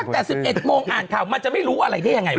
แต่๑๑โมงอ่านข่าวมันจะไม่รู้อะไรได้ยังไงวะ